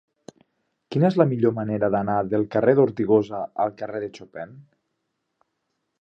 Quina és la millor manera d'anar del carrer d'Ortigosa al carrer de Chopin?